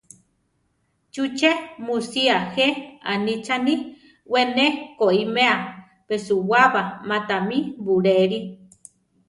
¿Chúche mu sía je anichani: we ne koʼiméa peʼsuwaba ma tamí buléli?